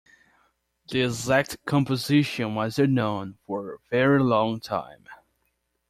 The exact composition was unknown for a very long time.